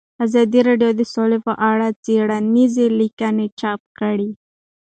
ازادي راډیو د سوله په اړه څېړنیزې لیکنې چاپ کړي.